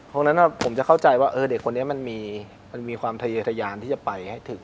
เพราะฉะนั้นผมจะเข้าใจว่าเด็กคนนี้มันมีความทะเยทะยานที่จะไปให้ถึง